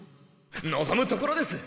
のぞむところです！